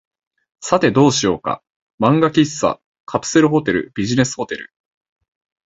さて、どうしようか。漫画喫茶、カプセルホテル、ビジネスホテル、